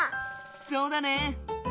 そうだね。